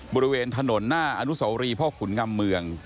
บริเวณถนนหน้าอนุสวรีพ่อขุนงำเมือง